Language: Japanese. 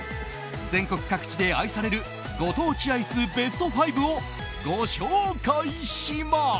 全国各地で愛されるご当地アイスベスト５をご紹介します。